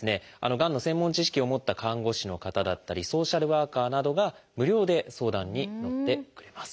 がんの専門知識を持った看護師の方だったりソーシャルワーカーなどが無料で相談にのってくれます。